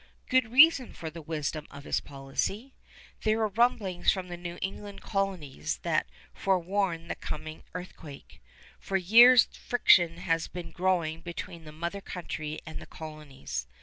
Good reason for the wisdom of his policy. There are rumblings from the New England colonies that forewarn the coming earthquake. For years friction has been growing between the mother country and the colonies.